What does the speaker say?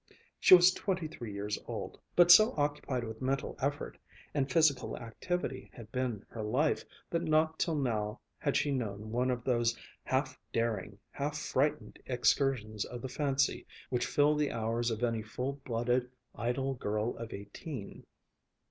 She was twenty three years old, but so occupied with mental effort and physical activity had been her life, that not till now had she known one of those half daring, half frightened excursions of the fancy which fill the hours of any full blooded idle girl of eighteen.